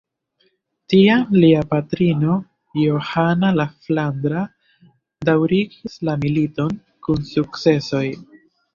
Tiam lia patrino Johana la Flandra daŭrigis la militon, kun sukcesoj.